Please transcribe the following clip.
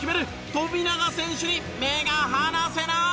富永選手に目が離せない！